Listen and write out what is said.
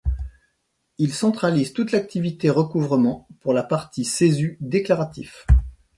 Il centralise toute l’activité recouvrement pour la partie Cesu déclaratif.